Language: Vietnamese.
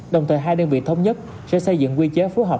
đồng thời hai đơn vị thống nhất sẽ xây dựng quy chế phối hợp